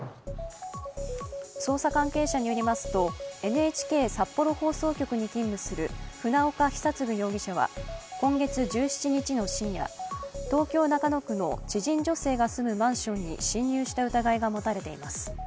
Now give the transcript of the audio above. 捜査関係者によりますと、ＮＨＫ札幌放送局に勤務する船岡久嗣容疑者は今月１７日の深夜東京・中野区の知人女性が住むマンションに侵入した疑いが持たれています。